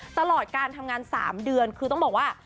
ตลอดการทำงาน๓เดือนคือต้องบอกว่า